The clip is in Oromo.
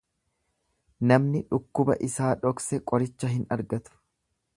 Namni dhukkuba isaa dhokse qoricha hin argatu.